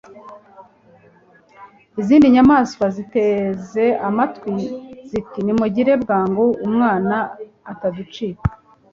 izindi nyamaswa ziteze amatwi ziti «nimugire bwangu umwana ataducika !